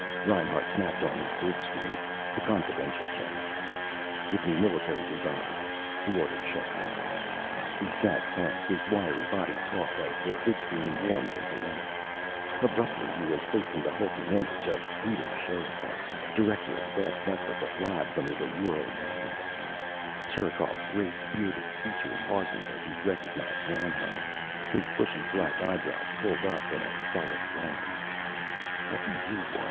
Reinhart snapped on his vidscreen, the confidential channel. "Give me Military Designs," he ordered sharply. He sat tense, his wiry body taut, as the vidscreen warmed into life. Abruptly he was facing the hulking image of Peter Sherikov, director of the vast network of labs under the Ural Mountains. Sherikov's great bearded features hardened as he recognized Reinhart. His bushy black eyebrows pulled up in a sullen line. "What do you want?